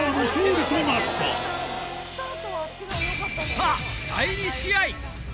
さぁ第２試合。